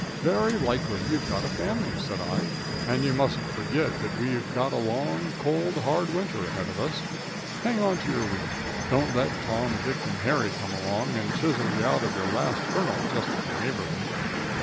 "Very likely you've got a family," said I, "and you mustn't forget that we've got a long, cold, hard winter ahead of us. Hang on to your wheat. Don't let Tom, Dick and Harry come along and chisel you out of your last kernel, just to be neighborly."